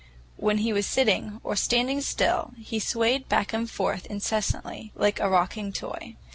When he was sitting, or standing still, he swayed back and forth incessantly, like a rocking toy.